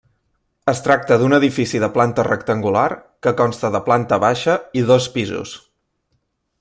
Es tracta d'un edifici de planta rectangular que consta de planta baixa i dos pisos.